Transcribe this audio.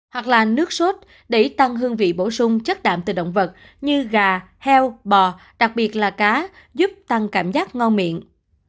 hoặc là nước sốt để tăng hương vị bổ sung chất đạm từ động vật như gà heo bò đặc biệt là cá giúp tăng cảm giác ngon miệng